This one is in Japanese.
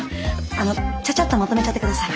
あのちゃちゃっとまとめちゃって下さい。